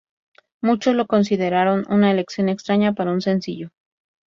Muchos lo consideraron una elección extraña para un sencillo.